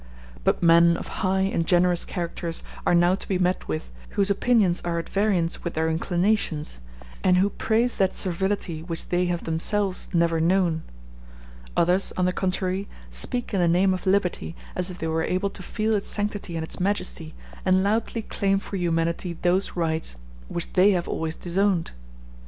But men of high and generous characters are now to be met with, whose opinions are at variance with their inclinations, and who praise that servility which they have themselves never known. Others, on the contrary, speak in the name of liberty, as if they were able to feel its sanctity and its majesty, and loudly claim for humanity those rights which they have always disowned.